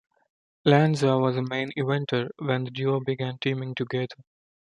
Lanza was a main-eventer when the duo began teaming together.